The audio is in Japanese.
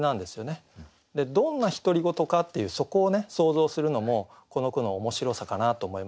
でどんな独り言かっていうそこをね想像するのもこの句の面白さかなと思いますね。